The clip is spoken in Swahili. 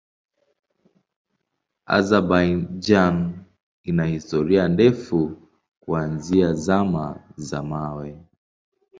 Azerbaijan ina historia ndefu kuanzia Zama za Mawe.